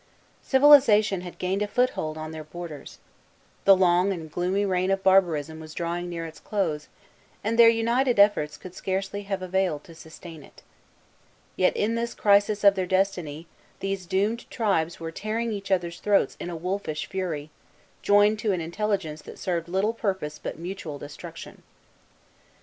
Civilization had gained a foothold on their borders. The long and gloomy reign of barbarism was drawing near its close, and their united efforts could scarcely have availed to sustain it. Yet, in this crisis of their destiny, these doomed tribes were tearing each other's throats in a wolfish fury, joined to an intelligence that served little purpose but mutual destruction.